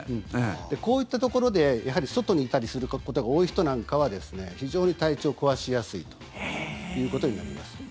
こういったところでやはり外にいたりすることが多い人なんかは非常に体調を壊しやすいということになります。